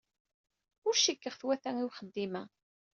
Ur cikkeɣ twata i uxeddim-a.